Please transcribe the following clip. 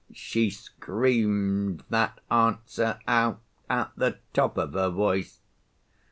She screamed that answer out at the top of her voice.